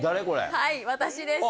はい私です。